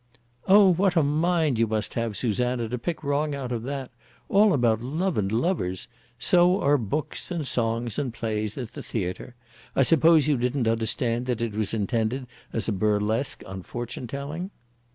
"Oh, what a mind you must have, Susanna, to pick wrong out of that! All about love and lovers! So are books and songs and plays at the theatre. I suppose you didn't understand that it was intended as a burlesque on fortune telling?"